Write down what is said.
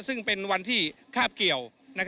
ซึ่งเป็นวันที่คาบเกี่ยว